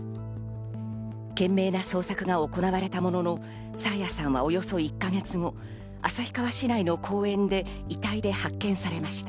懸命な捜索が行われたものの、爽彩さんはおよそ１か月後、旭川市内の公園で遺体で発見されました。